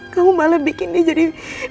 kamu malah bikin dia jadi